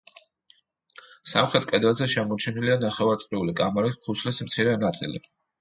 სამხრეთ კედელზე შემორჩენილია ნახევარწრიული კამარის ქუსლის მცირე ნაწილი.